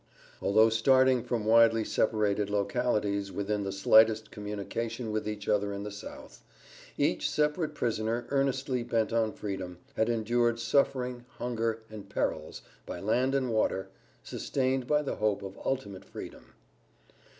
Although starting from widely separated localities without the slightest communication with each other in the South, each separate passenger earnestly bent on freedom, had endured suffering, hunger, and perils, by land and water, sustained by the hope of ultimate freedom.